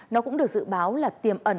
nó cũng được dự báo là tiềm ẩn